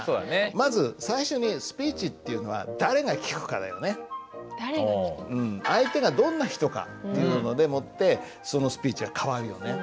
まず最初に相手がどんな人かっていうのでもってそのスピーチは変わるよね？